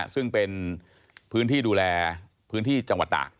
ซึ่งเป็นพื้นที่ดูแลพื้นที่จังหวัดตาก